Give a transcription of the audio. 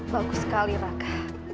bagus sekali raka